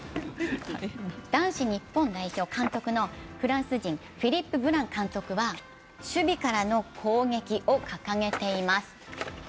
男子日本代表監督のフランス人フィリップ・ブラン監督は、守備からの攻撃を掲げています。